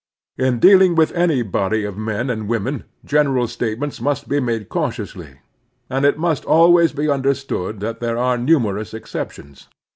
In dealing with any body of men and women general state ments must be made cautiously, and it mtist always be imderstood that there are nimierous exceptions.